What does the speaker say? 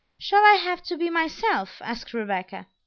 "Shall I have to be myself?" asked Rebecca.